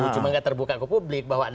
cuma nggak terbuka ke publik bahwa